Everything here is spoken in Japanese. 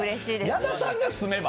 矢田さんが住めば？